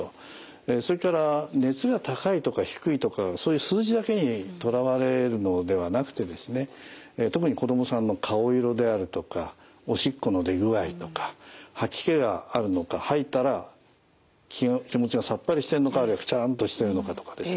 それから熱が高いとか低いとかそういう数字だけにとらわれるのではなくて特に子どもさんの顔色であるとかおしっこの出具合とか吐き気があるのか吐いたら気持ちがさっぱりしてるのかあるいはクチャンとしてるのかとかですね